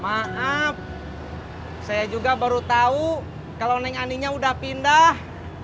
iya aduh maaf saya juga baru tahu kalau neng aninya udah pindah